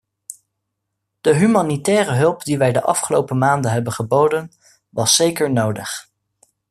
De humanitaire hulp die wij de afgelopen maanden hebben geboden was zeker nodig.